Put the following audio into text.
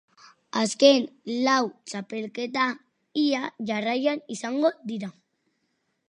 Azken lau txapelketa ia jarraian izango dira.